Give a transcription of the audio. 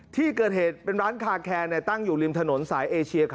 ที่เกิดเหตุเป็นร้านคาแคร์ตั้งอยู่ริมถนนสายเอเชีย